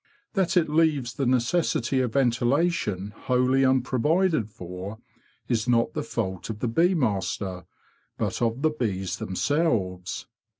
That it leaves the necessity of ventilation wholly unprovided for is not the fault of the bee master, but of the bees themselves.